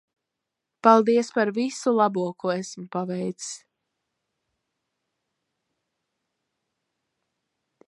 Paldies par visu labo ko esmu paveicis.